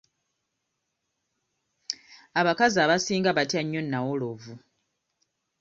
Aabakazi abasinga batya nnyo nnawolovu.